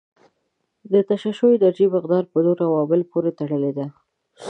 د تشعشعي انرژي مقدار په نورو عواملو پورې تړلی دی.